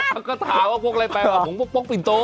เขาก็ถามว่าพกอะไรไปพวกผมโพกปินโต